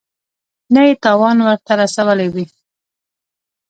نه یې تاوان ورته رسولی وي.